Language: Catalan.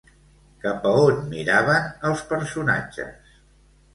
Cap a on miraven els personatges?